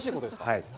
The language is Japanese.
はい。